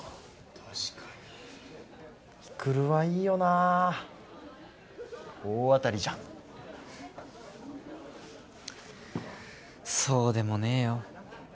確かに育はいいよな大当たりじゃんそうでもねえよ